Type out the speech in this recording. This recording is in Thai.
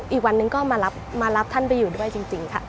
อีกวันหนึ่งก็มารับท่านไปอยู่ด้วยจริงค่ะ